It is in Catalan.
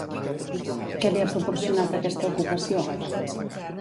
Què li ha proporcionat aquesta ocupació?